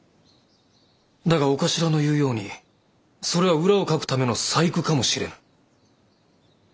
だが長官の言うようにそれは裏をかくための細工かもしれぬ。